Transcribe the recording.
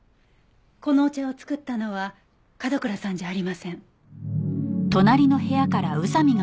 このお茶を作ったのは角倉さんじゃありません。